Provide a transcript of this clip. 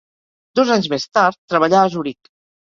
Dos anys més tard, treballà a Zuric.